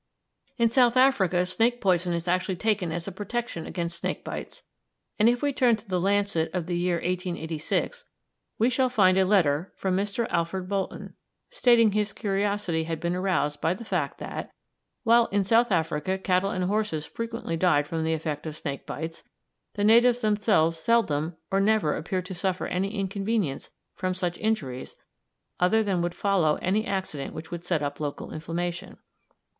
In South Africa snake poison is actually taken as a protection against snake bites, and if we turn to the Lancet of the year 1886, we shall find a letter from Mr. Alfred Bolton stating that his curiosity had been aroused by the fact that while in South Africa cattle and horses frequently died from the effect of snake bites, the natives themselves seldom or never appeared to suffer any inconvenience from such injuries other than would follow any accident which would set up local inflammation.